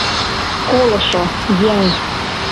Колышо еҥ